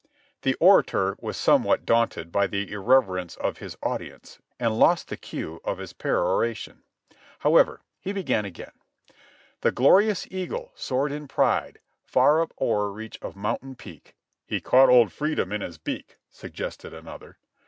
I The orator was somewhat daunted by the irreverence of his audience and lost the cue of his peroration ; however, he began again :" 'The Glorious Eagle soared in pride Far up o'er reach of mountain peak —'" "He caught old Freedom in his beak," suggested another.